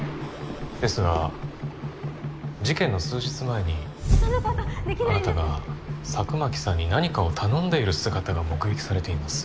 ですが事件の数日前にあなたが佐久巻さんに何かを頼んでいる姿が目撃されています。